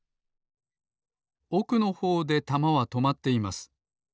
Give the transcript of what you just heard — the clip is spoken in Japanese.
おくのほうでたまはとまっています。